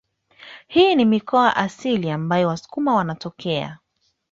Hii ni mikoa asili ambayo wasukuma wanatokea